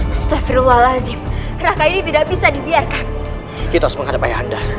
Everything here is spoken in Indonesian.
astagfirullahaladzim raka ini tidak bisa dibiarkan kita menghadapi anda